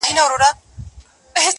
لکه پاتا ته وي راغلي پخوانۍ سندري!.